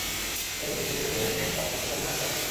তবে এটা ঠিক যে, শুভকে নিয়ে কাজটা করতে পারলে অনেক ভালো লাগত।